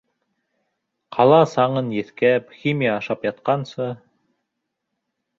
Ҡала саңын еҫкәп, химия ашап ятҡансы.